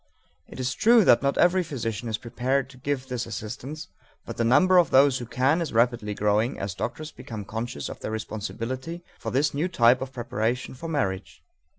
It is true that not every physician is prepared to give this assistance, but the number of those who can is rapidly growing as doctors become conscious of their responsibility for this new type of preparation for marriage.